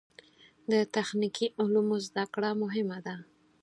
د تخنیکي علومو زده کړه مهمه ده.